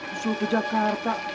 susul ke jakarta